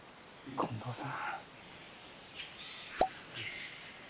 近藤さん。